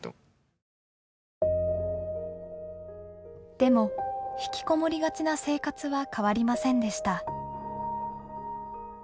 でも引きこもりがちな生活は変わりませんでした。